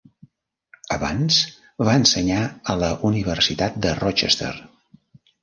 Abans, va ensenyar a la universitat de Rochester.